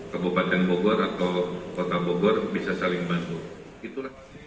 kabupaten bogor atau kota bogor bisa saling bantulah